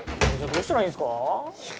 どうしたらいいんですか？